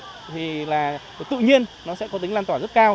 thì là tự nhiên nó sẽ có tính lan tỏa rất cao